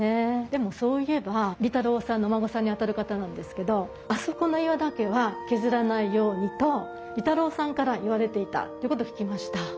でもそういえば利太郎さんのお孫さんにあたる方なんですけど「あそこの岩だけは削らないように」と利太郎さんから言われていたってこと聞きました。